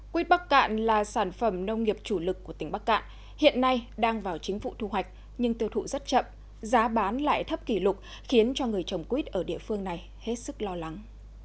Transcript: quýt bắc cạn là sản phẩm nông nghiệp chủ lực của tỉnh bắc cạn hiện nay đang vào chính phủ thu hoạch nhưng tiêu thụ rất chậm giá bán lại thấp kỷ lục khiến cho người trồng quýt ở địa phương này hết sức lo lắng